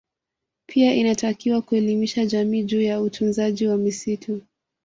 Pia inatakiwa kuelimisha jamii juu ya utunzaji wa misitu